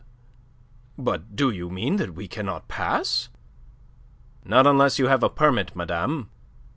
but do you mean that we cannot pass?" "Not unless you have a permit, madame."